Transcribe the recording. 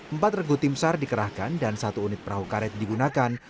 empat regu tim sar dikerahkan dan satu unit perahu karet digunakan